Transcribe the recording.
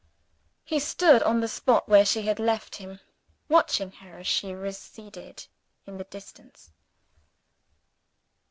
He stood on the spot where she had left him, watching her as she receded in the distance.